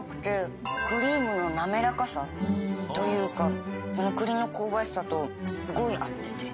クリームの滑らかさというか栗の香ばしさとすごい合ってて。